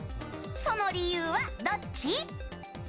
その理由はどっち？